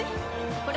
これ！